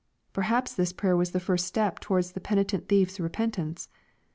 Perhaps this prayer was the first step towards the penitent thiefs repentance.